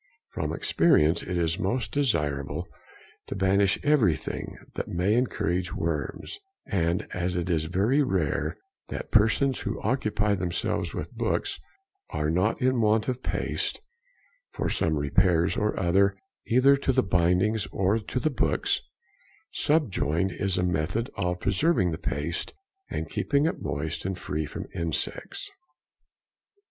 From experience, it is most desirable to banish everything that may encourage worms, and as it is very rare that persons who occupy themselves with books are not in want of paste, for some repairs or other, either to the bindings or to the books, subjoined is a method of preserving the paste and keeping it moist and free from insects.